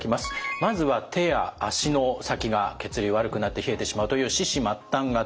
まずは手や足の先が血流悪くなって冷えてしまうという四肢末端型。